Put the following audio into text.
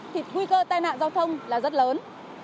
thì nguy cơ tai nạn giao thông là rất lớn